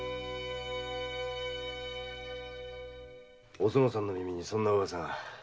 おそのさんの耳にそんな噂が。